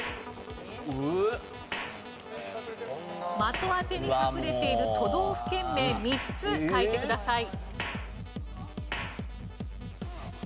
的当てに隠れている都道府県名３つ書いてください。